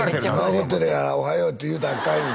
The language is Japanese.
今怒ってるから「おはよう」って言うたらあかん